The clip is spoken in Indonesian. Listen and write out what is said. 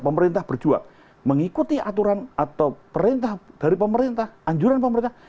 pemerintah berjuang mengikuti aturan atau perintah dari pemerintah anjuran pemerintah